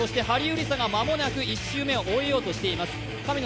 ハリウリサが間もなく１周目を終えようとしています。